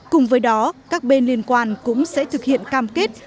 cùng với đó các bên liên quan cũng sẽ thực hiện cam kết